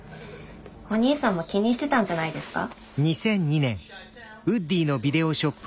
お兄さんも気にしてたんじゃないですか？